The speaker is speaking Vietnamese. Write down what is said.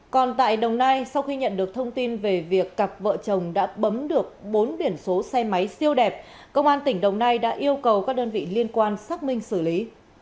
còn tại đồng nai sau khi nhận được thông tin về việc cặp vợ chồng đã bấm được bốn biển số xe máy siêu đẹp công an tỉnh đồng nai đã yêu cầu các đơn vị liên quan xác minh xử lý